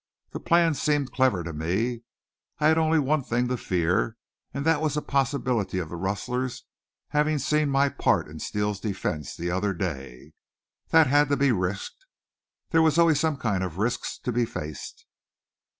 The plan seemed clever to me. I had only one thing to fear, and that was a possibility of the rustlers having seen my part in Steele's defense the other day. That had to be risked. There were always some kind of risks to be faced.